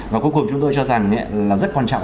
và cuối cùng chúng tôi cho rằng là rất quan trọng